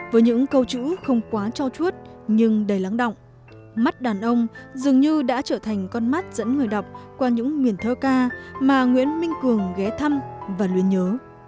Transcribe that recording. với những câu chữ không quá cho chuốt nhưng đầy lắng động mắt đàn ông dường như đã trở thành con mắt dẫn người đọc qua những miền thơ ca mà nguyễn minh cường ghé thăm và luôn nhớ